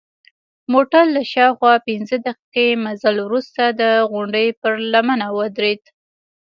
موټر له شاوخوا پنځه دقیقې مزل وروسته د غونډۍ پر لمنه ودرید.